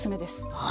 はい。